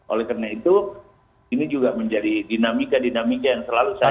oleh karena itu ini juga menjadi dinamika dinamika yang selalu saya